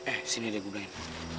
eh sini deh gue belain